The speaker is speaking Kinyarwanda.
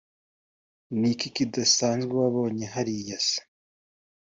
niki kidasanzwe wabonye hariya se